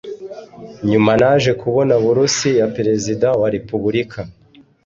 nyuma naje kubona burusi ya perezida wa repubulika